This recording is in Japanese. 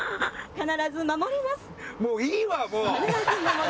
必ず守ります。